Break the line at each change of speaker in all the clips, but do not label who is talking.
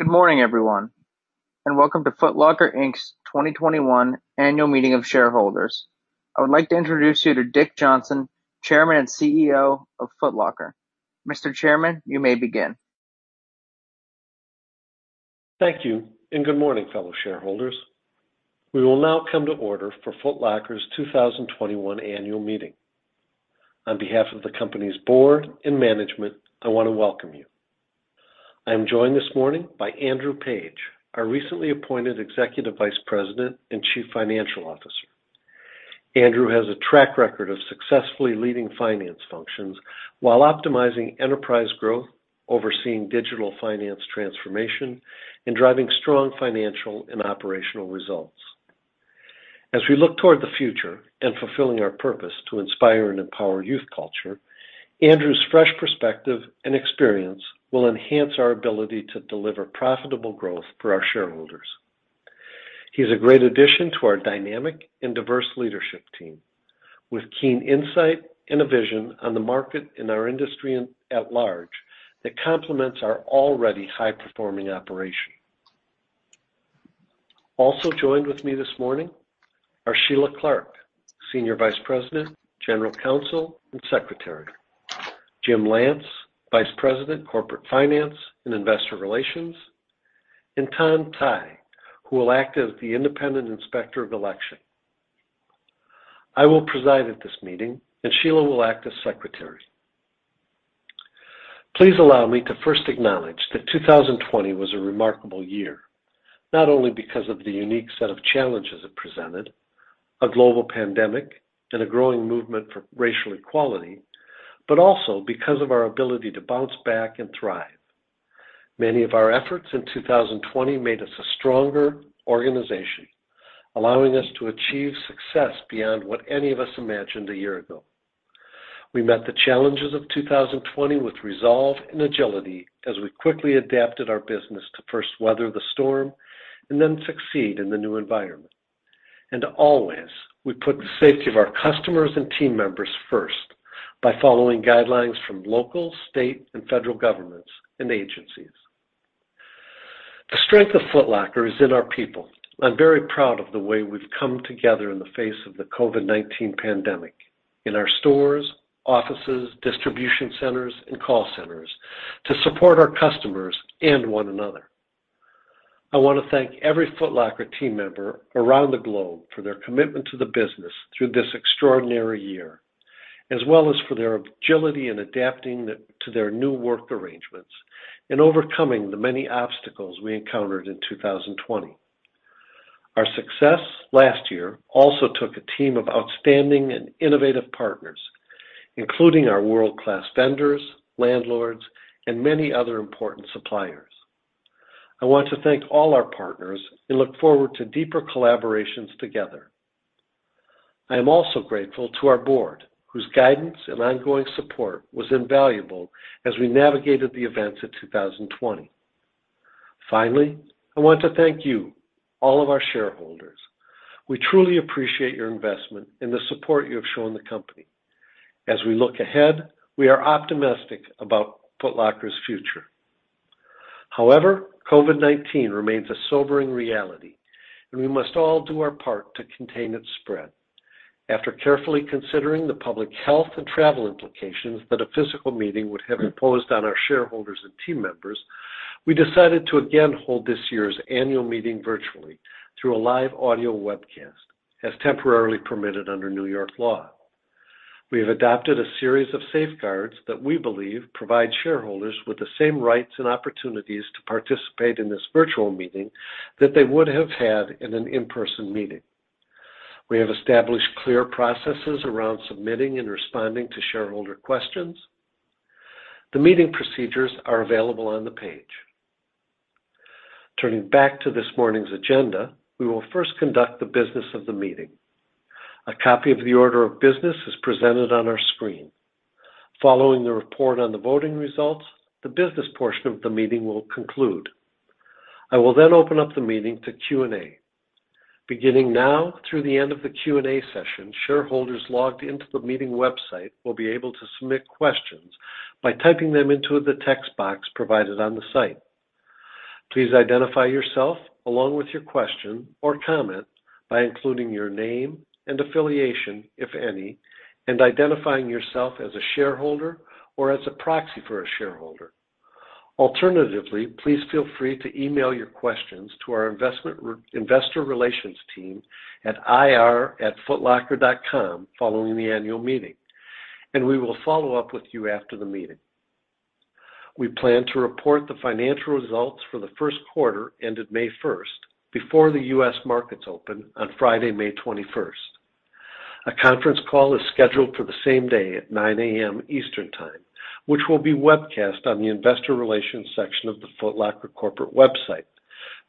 Good morning, everyone, and welcome to Foot Locker, Inc's 2021 annual meeting of shareholders. I would like to introduce you to Dick Johnson, Chairman and CEO of Foot Locker. Mr. Chairman, you may begin.
Thank you. Good morning, fellow shareholders. We will now come to order for Foot Locker's 2021 annual meeting. On behalf of the company's board and management, I want to welcome you. I'm joined this morning by Andrew Page, our recently appointed Executive Vice President and Chief Financial Officer. Andrew has a track record of successfully leading finance functions while optimizing enterprise growth, overseeing digital finance transformation, and driving strong financial and operational results. As we look toward the future and fulfilling our purpose to inspire and empower youth culture, Andrew's fresh perspective and experience will enhance our ability to deliver profitable growth for our shareholders. He's a great addition to our dynamic and diverse leadership team with keen insight and a vision on the market and our industry at large that complements our already high-performing operation. Also joined with me this morning are Sheilagh Clarke, Senior Vice President, General Counsel, and Secretary. James Lance, Vice President, Corporate Finance and Investor Relations, and Tom Tighe, who will act as the independent inspector of election. I will preside at this meeting, and Sheilagh will act as secretary. Please allow me to first acknowledge that 2020 was a remarkable year, not only because of the unique set of challenges it presented, a global pandemic and a growing movement for racial equality, but also because of our ability to bounce back and thrive. Many of our efforts in 2020 made us a stronger organization, allowing us to achieve success beyond what any of us imagined a year ago. We met the challenges of 2020 with resolve and agility as we quickly adapted our business to first weather the storm and then succeed in the new environment. Always, we put the safety of our customers and team members first by following guidelines from local, state, and federal governments and agencies. The strength of Foot Locker is in our people. I'm very proud of the way we've come together in the face of the COVID-19 pandemic in our stores, offices, distribution centers, and call centers to support our customers and one another. I want to thank every Foot Locker team member around the globe for their commitment to the business through this extraordinary year, as well as for their agility in adapting to their new work arrangements and overcoming the many obstacles we encountered in 2020. Our success last year also took a team of outstanding and innovative partners, including our world-class vendors, landlords, and many other important suppliers. I want to thank all our partners and look forward to deeper collaborations together. I'm also grateful to our board, whose guidance and ongoing support was invaluable as we navigated the events of 2020. Finally, I want to thank you, all of our shareholders. We truly appreciate your investment and the support you have shown the company. As we look ahead, we are optimistic about Foot Locker's future. However, COVID-19 remains a sobering reality, and we must all do our part to contain its spread. After carefully considering the public health and travel implications that a physical meeting would have imposed on our shareholders and team members, we decided to again hold this year's annual meeting virtually through a live audio webcast, as temporarily permitted under New York law. We have adopted a series of safeguards that we believe provide shareholders with the same rights and opportunities to participate in this virtual meeting that they would have had in an in-person meeting. We have established clear processes around submitting and responding to shareholder questions. The meeting procedures are available on the page. Turning back to this morning's agenda, we will first conduct the business of the meeting. A copy of the order of business is presented on our screen. Following the report on the voting results, the business portion of the meeting will conclude. I will then open up the meeting to Q&A. Beginning now through the end of the Q&A session, shareholders logged into the meeting website will be able to submit questions by typing them into the text box provided on the site. Please identify yourself along with your question or comment by including your name and affiliation, if any, and identifying yourself as a shareholder or as a proxy for a shareholder. Alternatively, please feel free to email your questions to our investor relations team at ir@footlocker.com following the annual meeting. We will follow up with you after the meeting. We plan to report the financial results for the first quarter, ended May 1st, before the U.S. markets open on Friday, May 21st. A conference call is scheduled for the same day at 9:00 A.M. Eastern Time, which will be webcast on the investor relations section of the Foot Locker corporate website,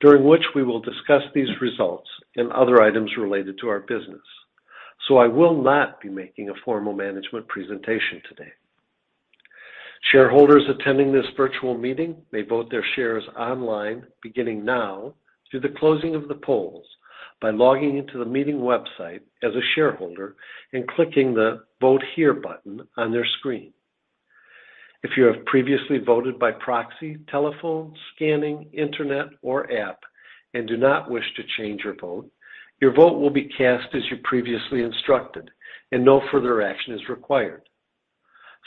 during which we will discuss these results and other items related to our business. I will not be making a formal management presentation today. Shareholders attending this virtual meeting may vote their shares online beginning now through the closing of the polls. By logging into the meeting website as a shareholder and clicking the Vote Here button on their screen. If you have previously voted by proxy, telephone, scanning, internet, or app, and do not wish to change your vote, your vote will be cast as you previously instructed, and no further action is required.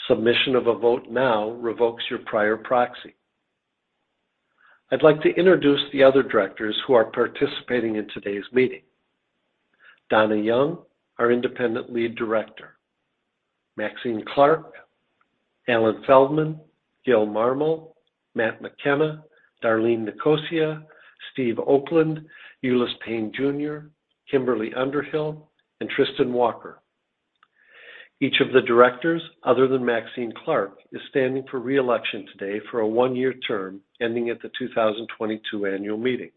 Submission of a vote now revokes your prior proxy. I'd like to introduce the other directors who are participating in today's meeting. Dona Young, our Independent Lead Director, Maxine Clark, Alan Feldman, Guillermo Marmol, Matthew McKenna, Darlene Nicosia, Steve Oakland, Ulice Payne Jr., Kimberly Underhill, and Tristan Walker. Each of the directors, other than Maxine Clark, is standing for re-election today for a one-year term ending at the 2022 annual meeting.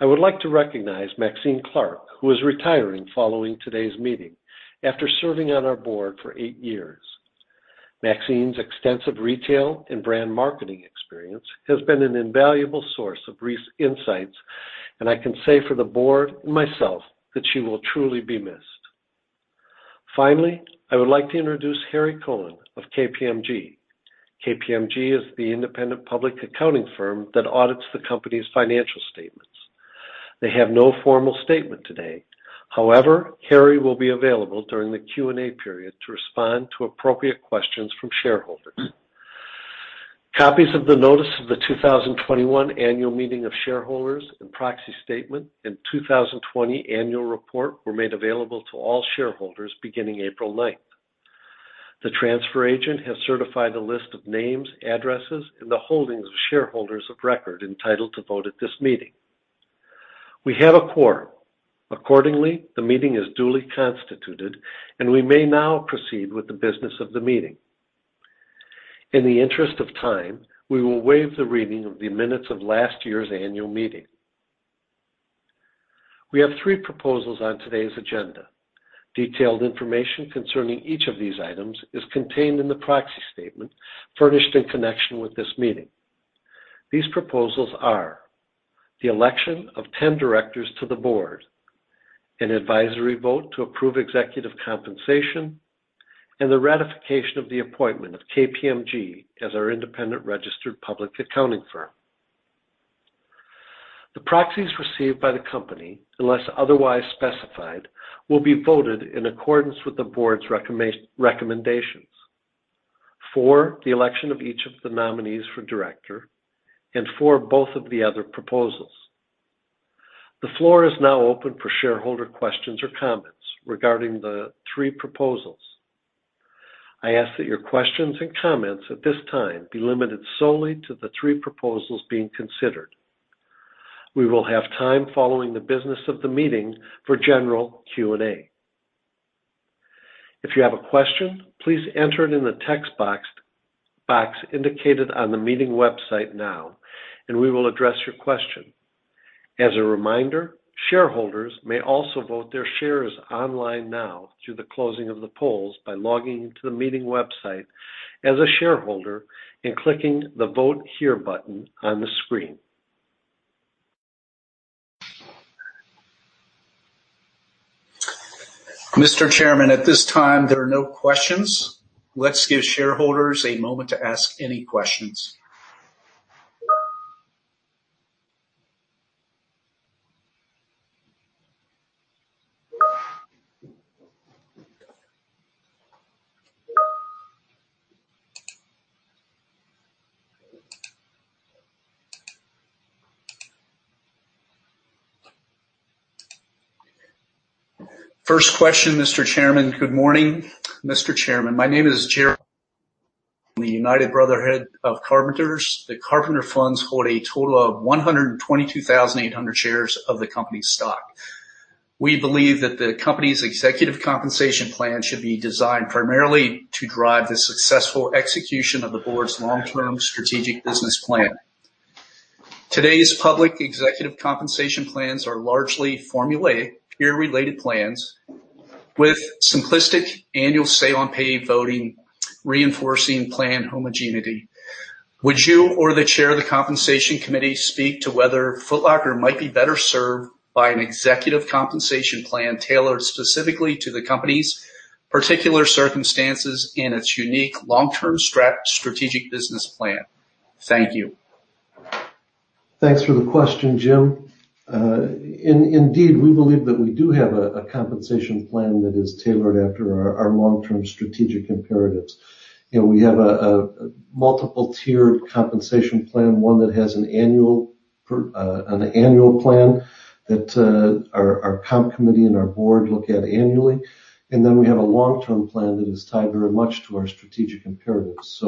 I would like to recognize Maxine Clark, who is retiring following today's meeting after serving on our board for eight years. Maxine's extensive retail and brand marketing experience has been an invaluable source of insights, and I can say for the board and myself that she will truly be missed. Finally, I would like to introduce Harry Cohen of KPMG. KPMG is the independent public accounting firm that audits the company's financial statements. They have no formal statement today. However, Harry will be available during the Q&A period to respond to appropriate questions from shareholders. Copies of the notice of the 2021 annual meeting of shareholders and proxy statement and 2020 annual report were made available to all shareholders beginning April 8th. The transfer agent has certified a list of names, addresses, and the holdings of shareholders of record entitled to vote at this meeting. We have a quorum. Accordingly, the meeting is duly constituted, and we may now proceed with the business of the meeting. In the interest of time, we will waive the reading of the minutes of last year's annual meeting. We have three proposals on today's agenda. Detailed information concerning each of these items is contained in the proxy statement furnished in connection with this meeting. These proposals are the election of 10 directors to the board, an advisory vote to approve executive compensation, and the ratification of the appointment of KPMG as our independent registered public accounting firm. The proxies received by the company, unless otherwise specified, will be voted in accordance with the board's recommendations for the election of each of the nominees for director and for both of the other proposals. The floor is now open for shareholder questions or comments regarding the three proposals. I ask that your questions and comments at this time be limited solely to the three proposals being considered. We will have time following the business of the meeting for general Q&A. If you have a question, please enter it in the text box indicated on the meeting website now, and we will address your question. As a reminder, shareholders may also vote their shares online now through the closing of the polls by logging into the meeting website as a shareholder and clicking the Vote Here button on the screen.
Mr. Chairman, at this time, there are no questions. Let's give shareholders a moment to ask any questions. First question, Mr. Chairman. Good morning, Mr. Chairman. My name is Gerald from the United Brotherhood of Carpenters. The Carpenter funds hold a total of 122,800 shares of the company stock. We believe that the company's executive compensation plan should be designed primarily to drive the successful execution of the Board's long-term strategic business plan. Today's public executive compensation plans are largely formulaic, peer-related plans with simplistic annual say on pay voting, reinforcing plan homogeneity. Would you or the Chair of the Compensation Committee speak to whether Foot Locker might be better served by an executive compensation plan tailored specifically to the company's particular circumstances and its unique long-term strategic business plan? Thank you.
Thanks for the question, Jim. We believe that we do have a compensation plan that is tailored after our long-term strategic imperatives. We have a multiple-tiered compensation plan, one that has an annual plan that our Comp Committee and our Board look at annually, then we have a long-term plan that is tied very much to our strategic imperatives.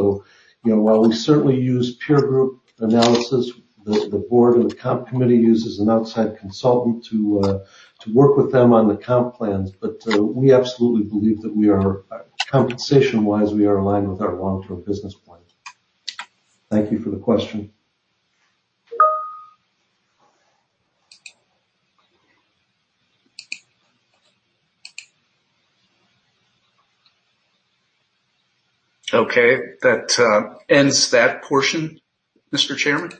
While we certainly use peer group analysis, the Board and the Comp Committee uses an outside consultant to work with them on the comp plans. We absolutely believe that compensation-wise, we are aligned with our long-term business plans. Thank you for the question.
Okay. That ends that portion, Mr. Chairman.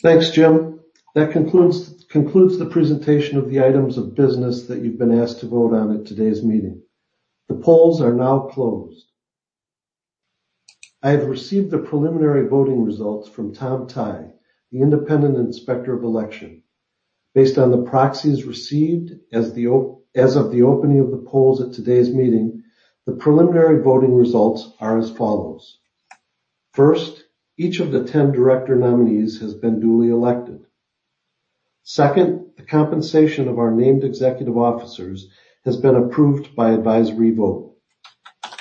Thanks, Jim. That concludes the presentation of the items of business that you've been asked to vote on at today's meeting. The polls are now closed. I have received the preliminary voting results from Tom Tighe, the independent inspector of election. Based on the proxies received as of the opening of the polls at today's meeting, the preliminary voting results are as follows. First, each of the 10 director nominees has been duly elected. Second, the compensation of our named executive officers has been approved by advisory vote.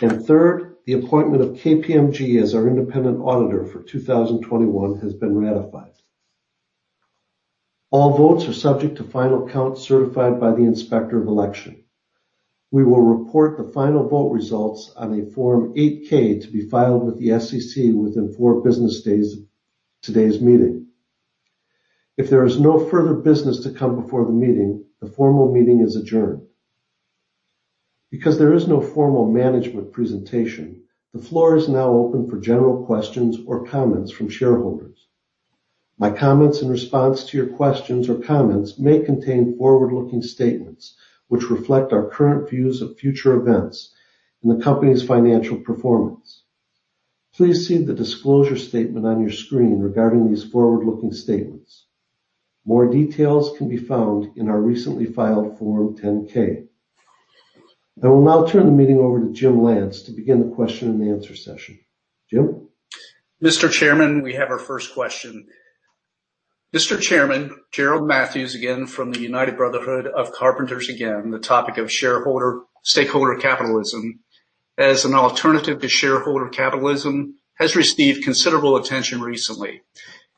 Third, the appointment of KPMG as our independent auditor for 2021 has been ratified. All votes are subject to final count certified by the inspector of election. We will report the final vote results on a Form 8-K to be filed with the SEC within four business days of today's meeting. If there is no further business to come before the meeting, the formal meeting is adjourned. Because there is no formal management presentation, the floor is now open for general questions or comments from shareholders. My comments in response to your questions or comments may contain forward-looking statements which reflect our current views of future events and the company's financial performance. Please see the disclosure statement on your screen regarding these forward-looking statements. More details can be found in our recently filed Form 10-K. I will now turn the meeting over to James Lance to begin the question and answer session. Jim?
Mr. Chairman, we have our first question. Mr. Chairman, Gerald Matthews again from the United Brotherhood of Carpenters. The topic of stakeholder capitalism as an alternative to shareholder capitalism has received considerable attention recently.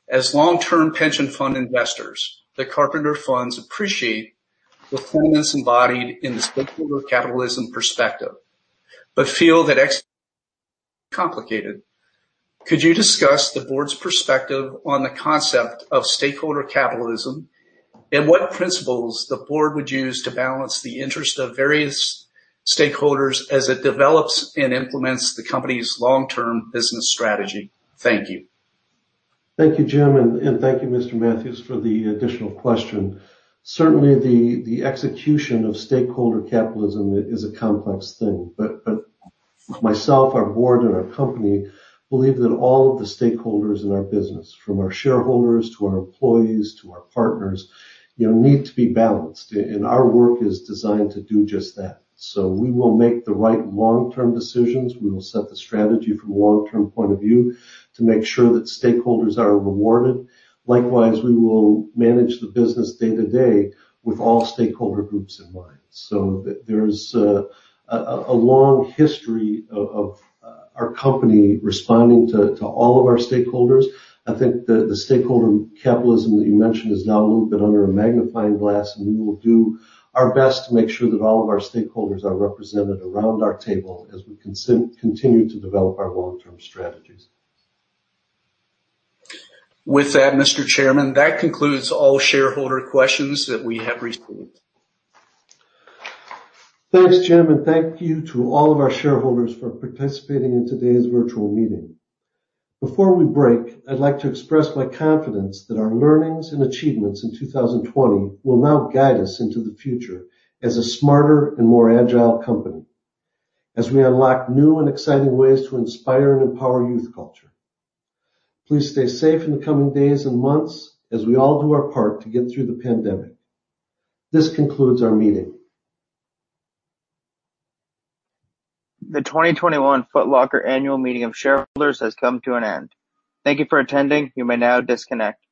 As long-term pension fund investors, the Carpenter funds appreciate the fullness embodied in the stakeholder capitalism perspective but feel that it's complicated. Could you discuss the board's perspective on the concept of stakeholder capitalism, and what principles the board would use to balance the interest of various stakeholders as it develops and implements the company's long-term business strategy? Thank you.
Thank you, Jim, and thank you, Mr. Matthews, for the additional question. Certainly, the execution of stakeholder capitalism is a complex thing. Myself, our board, and our company believe that all of the stakeholders in our business, from our shareholders to our employees to our partners need to be balanced, and our work is designed to do just that. We will make the right long-term decisions. We will set the strategy from a long-term point of view to make sure that stakeholders are rewarded. Likewise, we will manage the business day to day with all stakeholder groups in mind. There's a long history of our company responding to all of our stakeholders. I think the stakeholder capitalism that you mentioned is now a little bit under a magnifying glass. We will do our best to make sure that all of our stakeholders are represented around our table as we continue to develop our long-term strategies.
With that, Mr. Chairman, that concludes all shareholder questions that we have received.
Thanks, Jim, and thank you to all of our shareholders for participating in today's virtual meeting. Before we break, I'd like to express my confidence that our learnings and achievements in 2020 will now guide us into the future as a smarter and more agile company as we unlock new and exciting ways to inspire and empower youth culture. Please stay safe in the coming days and months as we all do our part to get through the pandemic. This concludes our meeting.
The 2021 Foot Locker annual meeting of shareholders has come to an end. Thank you for attending. You may now disconnect.